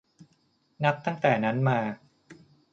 นับตั้งแต่นั้นมา